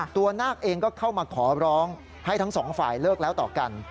นาคเองก็เข้ามาขอร้องให้ทั้งสองฝ่ายเลิกแล้วต่อกัน